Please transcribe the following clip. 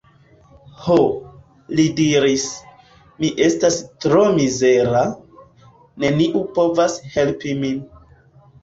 Ho, li diris, mi estas tro mizera; neniu povas helpi min.